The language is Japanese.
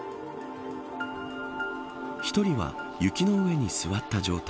１人は雪の上に座った状態